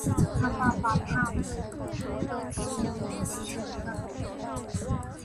他的爸爸帕特里克希尼是一个农民。